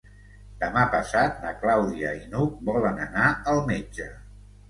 Demà passat na Clàudia i n'Hug volen anar al metge.